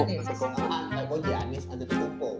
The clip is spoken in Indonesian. kayak gue jadi anis anja tukung po